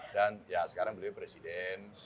dan ya sekarang beliau presiden